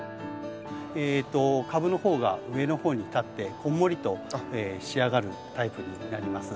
株の方が上の方に立ってこんもりと仕上がるタイプになります。